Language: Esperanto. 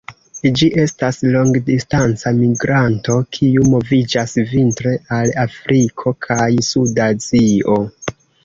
Ĝi estas longdistanca migranto kiu moviĝas vintre al Afriko kaj suda Azio.